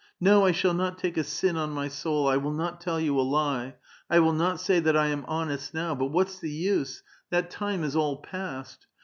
No, I shall not take a sin on my soul, I will not t«ll you a lie, I will not say that I am honest now. But what's the use ? That time is all past.